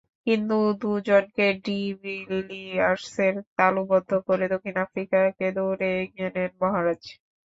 কিন্তু দুজনকে ডি ভিলিয়ার্সের তালুবদ্ধ করে দক্ষিণ আফ্রিকাকে দৌড়ে এগিয়ে নেন মহারাজ।